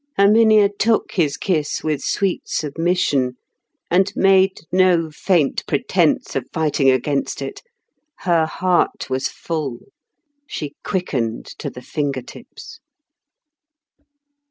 Herminia took his kiss with sweet submission, and made no faint pretence of fighting against it. Her heart was full. She quickened to the finger tips.